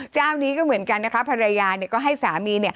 เจ้านี้ก็เหมือนกันนะคะภรรยาก็ให้สามี